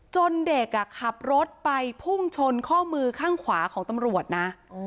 เด็กขับรถไปพุ่งชนข้อมือข้างขวาของตำรวจนะ